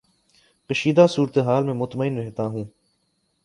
کشیدہ صورت حال میں مطمئن رہتا ہوں